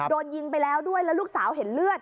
โดนยิงไปแล้วด้วยแล้วลูกสาวเห็นเลือด